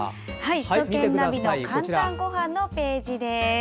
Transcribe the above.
首都圏ナビの「かんたんごはん」のページです。